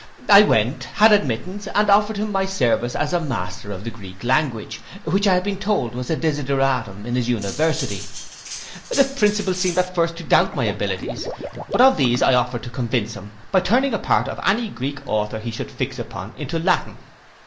I went, had admittance, and offered him my service as a master of the Greek language, which I had been told was a desideratum in his university. The principal seemed at first to doubt of my abilities; but of these I offered to convince him, by turning a part of any Greek author he should fix upon into Latin.